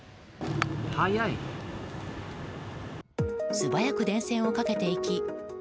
素早く電線を駆けていき